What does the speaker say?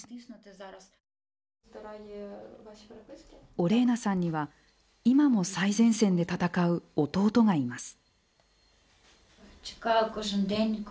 オレーナさんには今も最前線で戦う弟がいます。